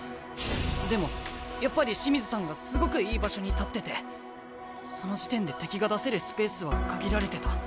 でもやっぱり清水さんがすごくいい場所に立っててその時点で敵が出せるスペースは限られてた。